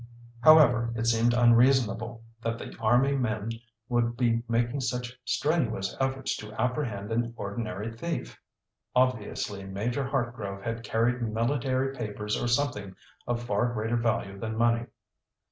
However, it seemed unreasonable that the army men would be making such strenuous efforts to apprehend an ordinary thief. Obviously Major Hartgrove had carried military papers or something of far greater value than money.